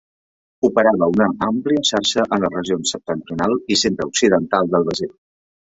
Operava una àmplia xarxa en les regions septentrional i centre-occidental del Brasil.